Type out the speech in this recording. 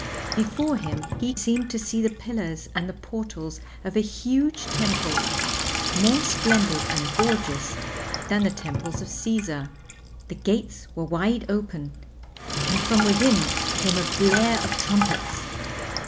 Before him he seemed to see the pillars and the portals of a huge temple, more splendid and gorgeous than the Temples of Caesar. The gates were wide open, and from within came a blare of trumpets.